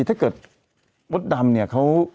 ถ้าเกิดวัตต์ดำเนี่ยเขา